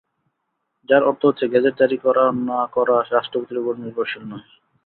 যার অর্থ হচ্ছে গেজেট জারি করা না-করা রাষ্ট্রপতির ওপর নির্ভরশীল নয়।